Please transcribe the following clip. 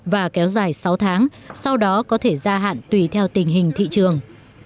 và kéo dài sáu tháng sau đó có thể gia hạn tùy theo tình hình thị trường